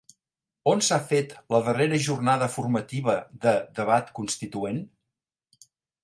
On s'ha fet la darrera jornada formativa de Debat Constituent?